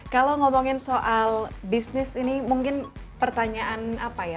kalau ngomongin soal bisnis ini mungkin pertanyaan apa ya